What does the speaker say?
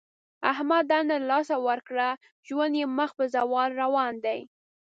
احمد دنده له لاسه ورکړه. ژوند یې مخ په زوال روان دی.